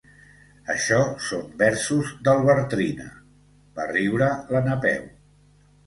Això són versos del Bartrina —va riure la Napeu.